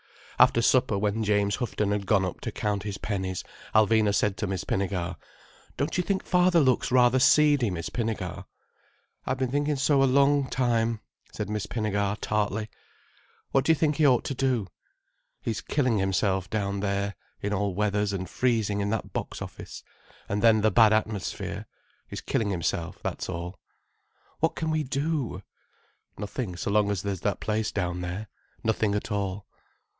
After supper, when James Houghton had gone up to count his pennies, Alvina said to Miss Pinnegar: "Don't you think father looks rather seedy, Miss Pinnegar?" "I've been thinking so a long time," said Miss Pinnegar tartly. "What do you think he ought to do?" "He's killing himself down there, in all weathers and freezing in that box office, and then the bad atmosphere. He's killing himself, that's all." "What can we do?" "Nothing so long as there's that place down there. Nothing at all."